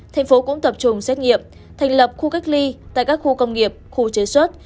tp thủ đức cũng tập trung xét nghiệm thành lập khu cách ly tại các khu công nghiệp khu chế xuất